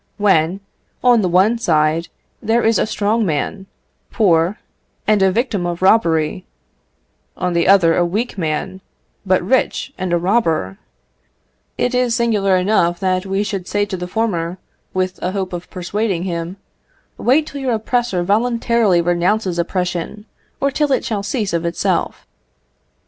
When on the one side there is a strong man, poor, and a victim of robbery on the other, a weak man, but rich, and a robber it is singular enough that we should say to the former, with a hope of persuading him, "Wait till your oppressor voluntarily renounces oppression, or till it shall cease of itself."